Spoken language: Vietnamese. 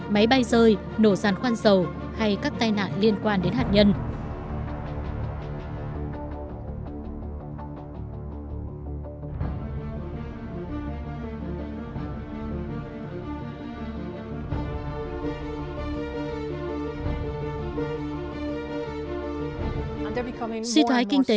máy bay rơi nổ gian khoan sầu hay các tai nạn liên quan đến hạt nhân